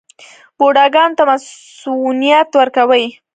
بوډاګانو ته مصوونیت ورکوي.